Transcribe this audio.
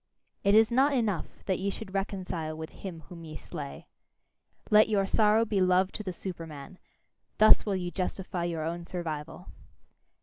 It is not enough that ye should reconcile with him whom ye slay. Let your sorrow be love to the Superman: thus will ye justify your own survival!